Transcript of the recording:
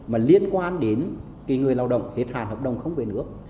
mà liên quan đến người lao động hết hạn hợp đồng không về nước